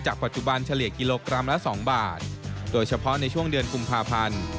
ปัจจุบันเฉลี่ยกิโลกรัมละ๒บาทโดยเฉพาะในช่วงเดือนกุมภาพันธ์